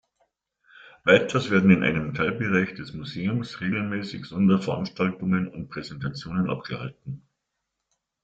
Weiters werden in einem Teilbereich des Museums regelmäßig Sonderveranstaltungen und Präsentationen abgehalten.